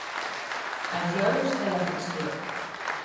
Els lloros de la ficció.